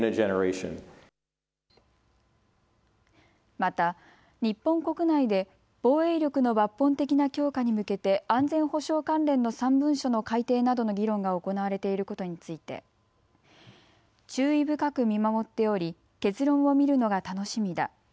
また日本国内で防衛力の抜本的な強化に向けて安全保障関連の３文書の改定などの議論が行われていることについて注意深く見守っており結論を見るのが楽しみだ。